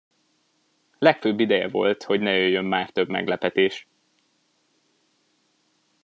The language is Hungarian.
Legfőbb ideje volt, hogy ne jöjjön már több meglepetés!